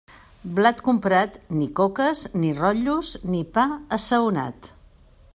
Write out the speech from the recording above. Blat comprat, ni coques, ni rotllos, ni pa assaonat.